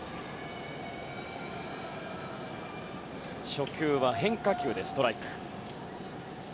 初球は変化球でストライク。